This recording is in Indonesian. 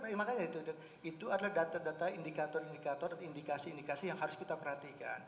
itu adalah data data indikator indikator dan indikasi indikasi yang harus diperhatikan